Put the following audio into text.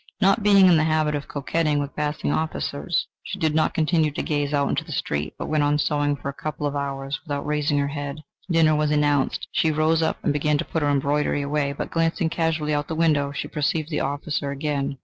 Not being in the habit of coquetting with passing officers, she did not continue to gaze out into the street, but went on sewing for a couple of hours, without raising her head. Dinner was announced. She rose up and began to put her embroidery away, but glancing casually out of the window, she perceived the officer again. This seemed to her very strange.